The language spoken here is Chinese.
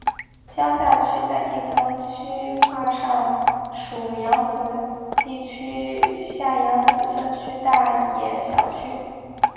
江夏区在地层区划上属扬子地层区下扬子分区大冶小区。